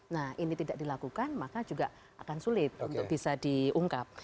nah ini tidak dilakukan maka juga akan sulit untuk bisa diungkap